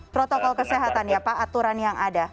protokol kesehatan ya pak aturan yang ada